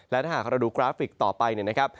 และถ้าหากเราดูกราฟิกต่อไปเนี่ยนะครับ